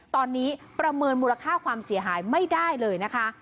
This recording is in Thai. ตอนนี้ประเมินมูลค่าความเสียหายไม่ได้เลยนะคะ